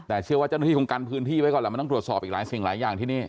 แต่เชื่อว่าเจ้าหน้าที่คงกันพื้นที่ไว้ก่อนแหละมันต้องตรวจสอบอีกหลายสิ่งหลายอย่างที่นี่